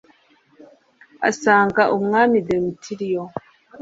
asanga umwami demetiriyo